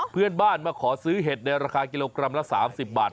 เพื่อนบ้านมาขอซื้อเห็ดในราคากิโลกรัมละ๓๐บาท